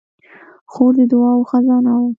خور د دعاوو خزانه ده.